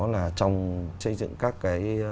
là trong xây dựng các cái